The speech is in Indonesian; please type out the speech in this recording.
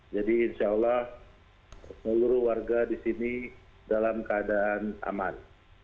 jadi insyaallah seluruh warga di sini dalam keadaan aman